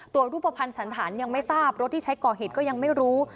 รูปภัณฑ์สันฐานยังไม่ทราบรถที่ใช้ก่อเหตุก็ยังไม่รู้